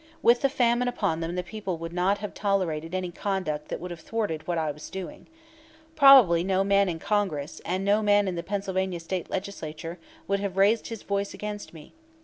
With the famine upon them the people would not have tolerated any conduct that would have thwarted what I was doing. Probably no man in Congress, and no man in the Pennsylvania State Legislature, would have raised his voice against me.